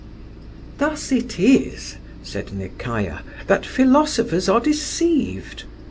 "Thus it is," said Nekayah, "that philosophers are deceived.